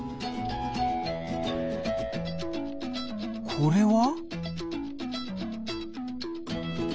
これは？